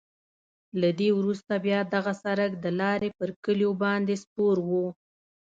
له دې وروسته بیا دغه سړک د لارې پر کلیو باندې سپور وو.